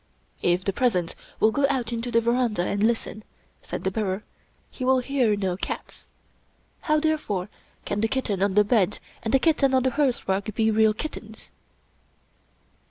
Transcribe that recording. " If the Presence will go out into the veranda and listen," said the bearer, " he will hear no cats. How, therefore, can the kitten on the bed and the kitten on the hearthrug be real kittens